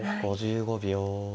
５５秒。